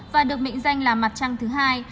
và được mệnh danh là mặt trăng thứ hai